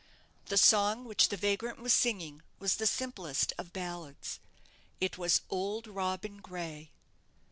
The song which the vagrant was singing was the simplest of ballads. It was "Auld Robin Gray."